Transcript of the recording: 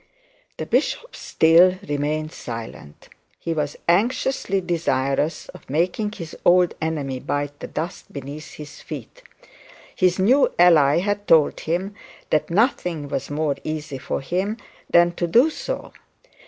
The bishop still remained silent. He was anxiously desirous of making his old enemy bite the dust beneath his feet. His new ally had told him that nothing was more easy for him than to do so.